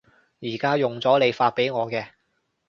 而家用咗你發畀我嘅